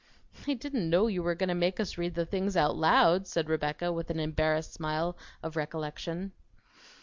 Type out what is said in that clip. "I didn't know you were going to make us read the things out loud," said Rebecca with an embarrassed smile of recollection.